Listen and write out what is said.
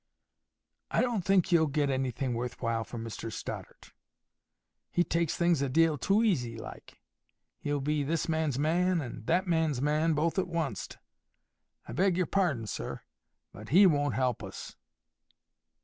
"I don't think you'll get anything worth while from Mr Stoddart. He takes things a deal too easy like. He'll be this man's man and that man's man both at oncet. I beg your pardon, sir. But HE won't help us."